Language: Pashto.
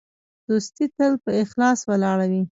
دوستي تل په اخلاص ولاړه وي.